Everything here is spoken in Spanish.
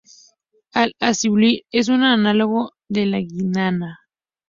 El aciclovir es un análogo de la guanina.